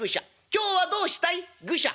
今日はどうしたい？愚者」。